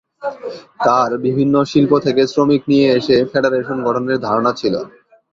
তার বিভিন্ন শিল্প থেকে শ্রমিক নিয়ে এসে ফেডারেশন গঠনের ধারণা ছিল।